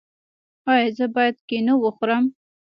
ایا زه باید کینو وخورم؟